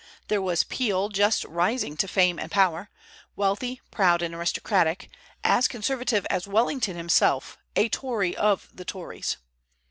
There was Peel, just rising to fame and power; wealthy, proud, and aristocratic, as conservative as Wellington himself, a Tory of the Tories.